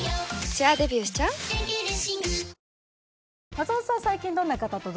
松本さん